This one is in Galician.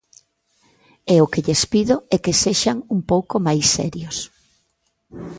E o que lles pido é que sexan un pouco máis serios.